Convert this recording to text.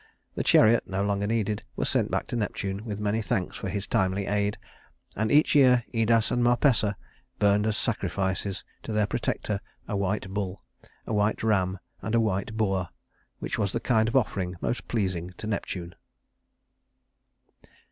The chariot, no longer needed, was sent back to Neptune with many thanks for his timely aid; and each year Idas and Marpessa burned as sacrifices to their protector a white bull, a white ram, and a white boar, which was the kind of offering most pleasing to Neptune.